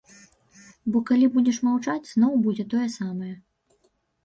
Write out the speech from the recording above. Бо калі будзеш маўчаць, зноў будзе тое самае.